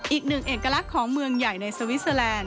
อีกหนึ่งเอกลักษณ์ของเมืองใหญ่ในสวิสเตอร์แลนด